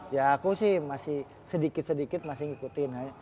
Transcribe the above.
ya aku sih masih sedikit sedikit masih ngikutin